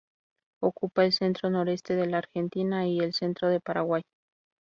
Ocupa el centro-noreste de la Argentina y el centro del Paraguay.